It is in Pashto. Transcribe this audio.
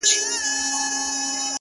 له خوب چي پاڅي؛ توره تياره وي؛